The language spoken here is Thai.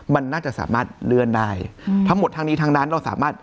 มันน่าจะสามารถเลื่อนได้อืมทั้งหมดทั้งนี้ทั้งนั้นเราสามารถ